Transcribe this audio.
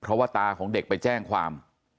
เพราะว่าตาของเด็กไปแจ้งความ